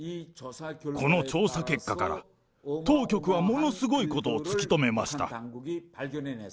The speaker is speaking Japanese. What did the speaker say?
この調査結果から、当局は、ものすごいことを突き止めました。